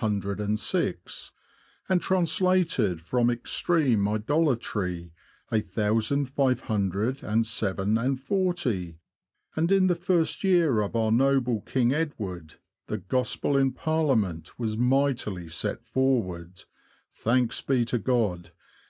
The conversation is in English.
hundred 8c Six, And translated from extreme idolatry A Thousand five hundred and seven and forty ; And in the first year of our noble King Edward, The Gospel in Parliament was mightily set forward — Thanks be to God.